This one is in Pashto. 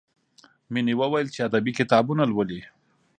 مینې وویل چې ادبي کتابونه لولي